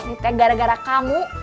nih teh gara gara kamu